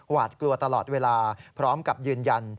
หวาดกลัวตลอดเวลาพร้อมกับยืนยัน